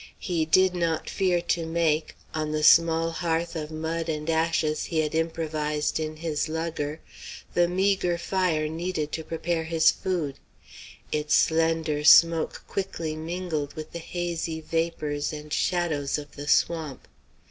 He did not fear to make, on the small hearth of mud and ashes he had improvised in his lugger, the meagre fire needed to prepare his food. Its slender smoke quickly mingled with the hazy vapors and shadows of the swamp.